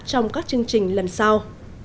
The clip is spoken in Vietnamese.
trong các chương trình lần sau